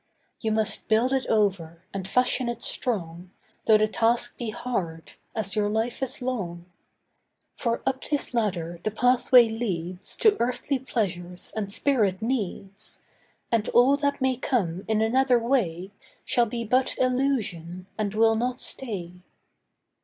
You must build it over and fashion it strong, Though the task be hard as your life is long; For up this ladder the pathway leads To earthly pleasures and spirit needs; And all that may come in another way Shall be but illusion, and will not stay.